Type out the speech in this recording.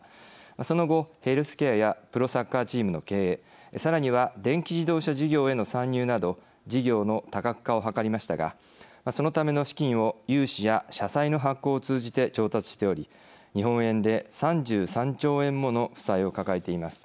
その後ヘルスケアやプロサッカーチームの経営さらには電気自動車事業への参入など事業の多角化を図りましたがそのための資金を融資や社債の発行を通じて調達しており日本円で３３兆円もの負債を抱えています。